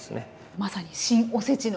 まさに「シン・おせち」の。